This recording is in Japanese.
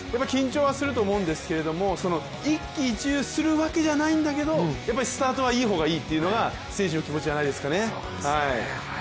緊張はすると思うんですけど一喜一憂するわけじゃないんだけどやっぱりスタートはいい方がいいというのが選手の気持ちじゃないですかね。